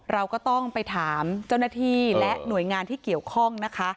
เราก็ต้องไปถามเจ้าหน้าที่และหน่วยงานที่เกี่ยวข้องนะคะ